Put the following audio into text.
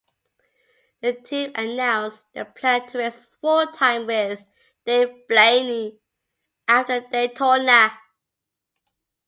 The team announced they planned to race full-time with Dave Blaney after Daytona.